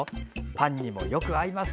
パンにもよく合います。